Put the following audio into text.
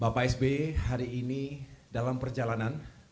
bapak s b hari ini dalam perjalanan